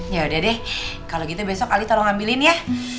yaudah deh kalau gitu besok ali tolong ambilin ya